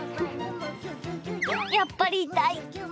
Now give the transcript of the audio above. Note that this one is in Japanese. やっぱり痛い。